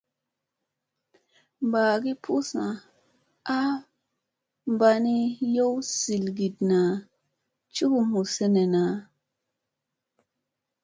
Bagi pussa ay bani i yowgi zirgiɗna cugugina ha hu senena.